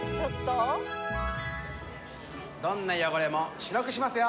どんな汚れも白くしますよ。